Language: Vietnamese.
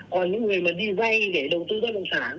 còn những người mà đi vay để đầu tư bất động sản